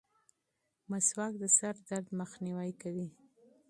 مسواک د سر درد مخنیوی کوي.